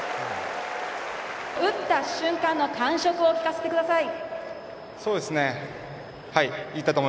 打った瞬間の感触を聞かせてください。